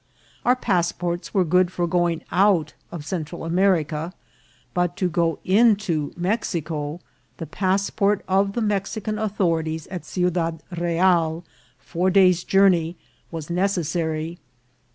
Our pass ports were good for going out of Central America ; but to go into Mexico, the passport of the Mexican authori ties at Ciudad Real, four days' journey, was necessary.